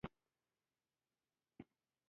سیمولیشن د پروسې ښودنه ده.